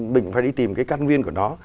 bình cũng phải đi tìm cái căn nguyên của nó